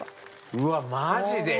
うわっマジで！